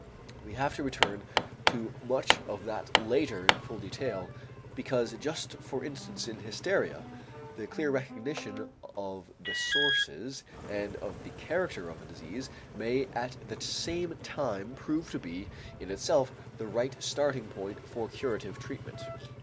We have to return to much of that later in full detail because just for instance in hysteria, the clear recognition of the sources and of the character of the disease may at the same time prove to be in itself the right starting point for curative treatment.